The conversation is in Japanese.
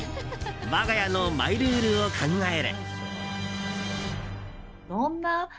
我が家のマイルールを考える。